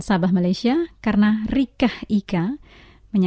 yang tak dapat diambilnya